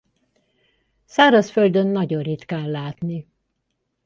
Szárazföldön nagyon ritkán látni.